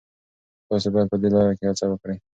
تاسي باید په دې لاره کي هڅه وکړئ.